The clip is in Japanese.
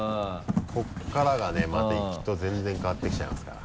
ここからがねまた行きと全然変わってきちゃいますから。